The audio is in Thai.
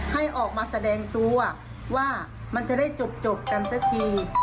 ให้ออกมาแสดงตัวว่ามันจะได้จบกันสักที